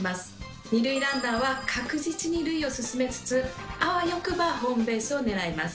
二塁ランナーは確実に塁を進めつつあわよくばホームベースを狙います。